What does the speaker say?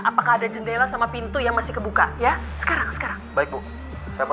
apakah ada jendela sama pintu yang masih kebuka ya sekarang sekarang baik bu siapa